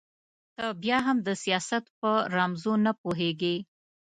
ته بيا هم د سياست په رموزو نه پوهېږې.